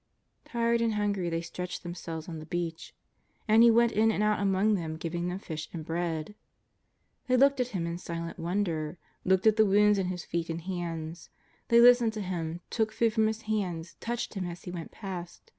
Tired and hungry, they stretched themselves on the beach. And He went in and out among them giving them fish and bread. They looked at Him in silent wonder; looked at the Wounds in His feet and hands. They listened to Him, took food from His hands, touched Him as He went past.